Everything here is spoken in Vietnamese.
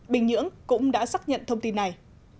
bình nhưỡng cũng đã xác nhận thông tin này